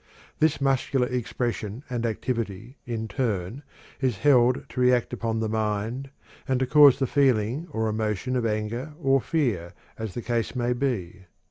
This muscular expression and activity, in turn, is held to react upon the mind and to cause the feeling or emotion of anger or fear, as the case may be.